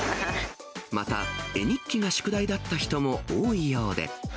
また絵日記が宿題だった人も多いようで。